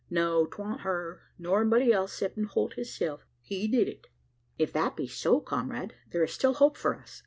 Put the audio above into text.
No, 'twan't her, nor anybody else 'ceptin' Holt hisself he did it?" "If that be so, comrade, there is still hope for us.